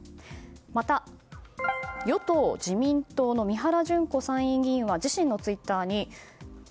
また与党・自民党の三原じゅん子参院議員は自身のツイッターにえ？